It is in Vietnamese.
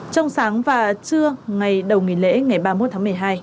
trong sáng và trưa ngày đầu nghỉ lễ ngày ba mươi một tháng một mươi hai